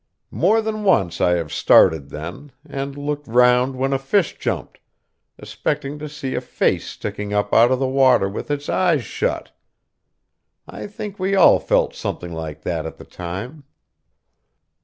More than once I have started then, and looked round when a fish jumped, expecting to see a face sticking up out of the water with its eyes shut. I think we all felt something like that at the time.